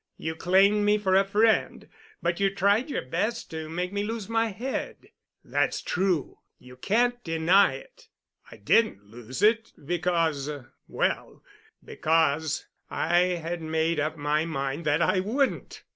You claimed me for a friend, but you tried your best to make me lose my head. That's true, you can't deny it. I didn't lose it, because—well, because I had made up my mind that I wouldn't.